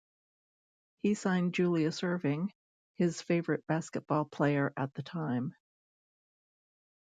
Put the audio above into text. He signed Julius Erving, his favorite basketball player at the time.